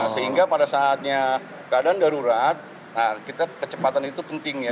sehingga pada saatnya keadaan darurat kita kecepatan itu penting ya